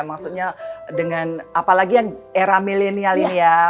maksudnya dengan apalagi era millennial ini ya